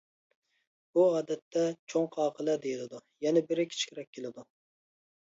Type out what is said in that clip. بۇ ئادەتتە «چوڭ قاقىلە» دېيىلىدۇ، يەنە بىرى كىچىكرەك كېلىدۇ.